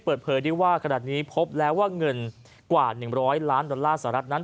เปิดเผยได้ว่าขนาดนี้พบแล้วว่าเงินกว่า๑๐๐ล้านดอลลาร์สหรัฐนั้น